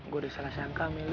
gue udah salah sangka amelie